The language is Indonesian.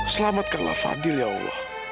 selamatkanlah fadil ya allah